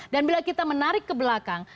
dan bila kita menarik ke belakang